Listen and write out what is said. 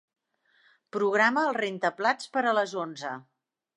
Programa el rentaplats per a les onze.